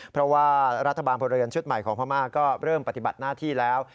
เพราะว่ารัฐบาลพลเรือนชุดใหม่ของพม่าก็เริ่มปฏิบัติหน้าที่แล้ว